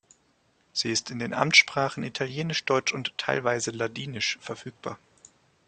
Sie ist in den Amtssprachen Italienisch, Deutsch und teilweise Ladinisch verfügbar.